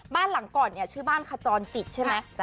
บ้านหลังก่อนเนี่ยชื่อบ้านขจรจิตใช่ไหม